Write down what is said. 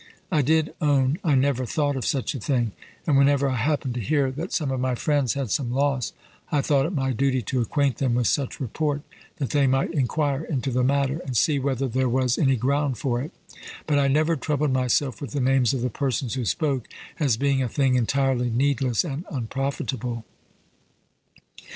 I did own I never thought of such a thing, and whenever I happened to hear that some of my friends had some loss, I thought it my duty to acquaint them with such report, that they might inquire into the matter, and see whether there was any ground for it. But I never troubled myself with the names of the persons who spoke, as being a thing entirely needless and unprofitable.